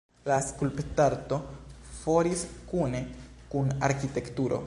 La skulptarto floris kune kun arkitekturo.